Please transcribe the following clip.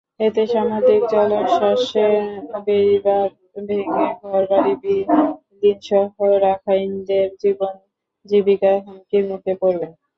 এতে সামুদ্রিক জলোচ্ছ্বাসে বেড়িবাঁধ ভেঙে ঘরবাড়ি বিলীনসহ রাখাইনদের জীবন-জীবিকা হুমকির মুখে পড়বে।